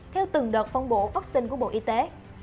theo từng đợt phong bộ vaccine của bộ y tế